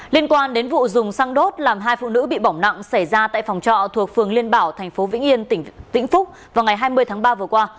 liên quan đến vụ dùng xăng đốt làm hai phụ nữ bị bỏng nặng xảy ra tại phòng trọ thuộc phường liên bảo thành phố vĩnh yên tỉnh vĩnh phúc vào ngày hai mươi tháng ba vừa qua